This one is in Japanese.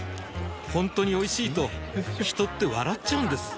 ほんとにおいしいと人って笑っちゃうんです